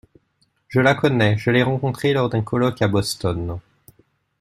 Je la connais, je l’ai rencontrée lors d’un colloque à Boston